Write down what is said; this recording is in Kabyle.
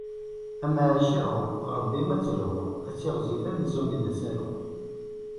Amacahu, Rebbi ad tt-yesselhu, ad tiɣzif amzun d asaru.